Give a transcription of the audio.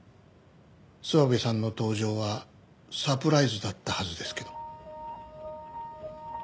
諏訪部さんの登場はサプライズだったはずですけど。